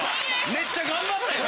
めっちゃ頑張ったやん！